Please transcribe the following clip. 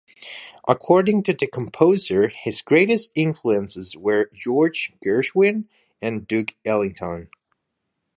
According to the composer, his greatest influences were George Gershwin and Duke Ellington.